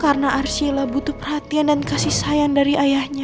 karena arshila butuh perhatian dan kasih sayang dari ayahnya